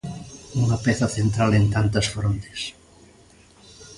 Unha peza central en tantas frontes.